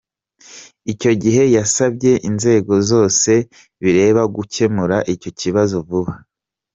Icyo gihe yasabye inzego zose bireba gukemura icyo kibazo vuba.